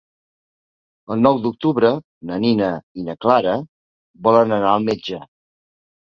El nou d'octubre na Nina i na Clara volen anar al metge.